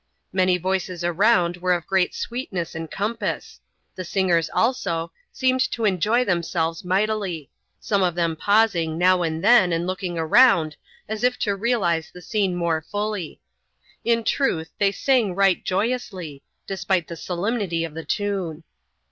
Many voices around were of great sweetness and compass. The singers, also, seemed to enjoy themselves mightily ; some of them pausing, now and then, and looking round, as if to realise the scene more fully. In truth, they sang right joy ously, despite the solemnity of the tune.